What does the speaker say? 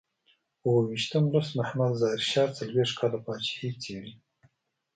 اوو ویشتم لوست محمد ظاهر شاه څلویښت کاله پاچاهي څېړي.